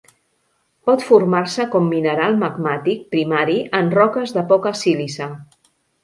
Pot formar-se com mineral magmàtic primari en roques de poca sílice.